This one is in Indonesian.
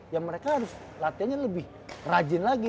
ya mereka harus latihannya lebih rajin lagi